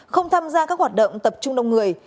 không tham gia các hoạt động tập trung đông người